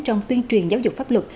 trong tuyên truyền giáo dục pháp luật